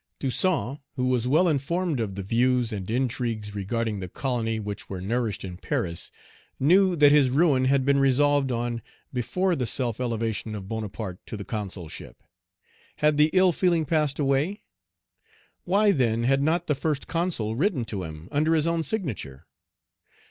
Toussaint, who was well informed of the views and intrigues regarding the colony which were nourished in Paris, knew that his ruin had been resolved on before the self elevation of Bonaparte to the Consulship. Had the ill feeling passed away? Why, then, had not the First Consul written to him under his own signature?